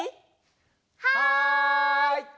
はい！